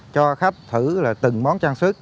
cho khách thử là từng món trang sức